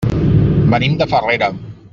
Venim de Farrera.